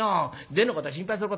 銭のことは心配することはねえ。